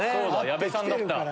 矢部さんだった。